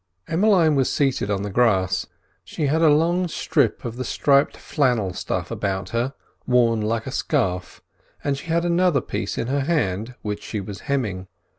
Emmeline was seated on the grass; she had a long strip of the striped flannel stuff about her, worn like a scarf, and she had another piece in her hand which she was hemming.